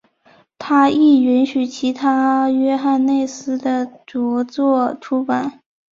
他亦允许其兄约翰内斯的着作出版。